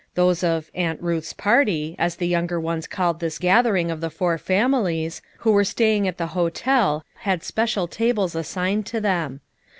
Those of "Aunt Buth's party" — as the younger ones called this gathering of the four families — who were staying at the hotel had special tables assigned to them.